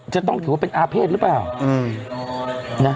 จะต้องถือว่าเป็นอาเภษหรือเปล่า